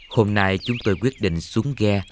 hôm nay chúng tôi quyết định xuống ghe